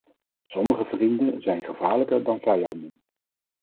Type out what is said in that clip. Sommige vrienden zijn gevaarlijker dan vijanden.